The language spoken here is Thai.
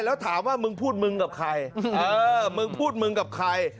แล้วถามว่ามึงพูดมึงกับใครมึงพูดมึงกับใคร